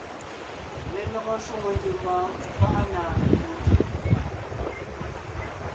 Lelɔgɔ shwòŋo ngiembɔɔn faʼa na menzẅìŋ.